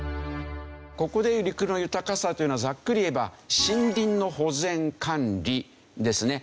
ここで陸の豊かさというのはざっくり言えば森林の保全・管理ですね。